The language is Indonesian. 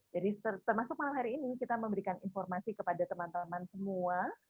jadi termasuk malam hari ini kita memberikan informasi kepada teman teman semua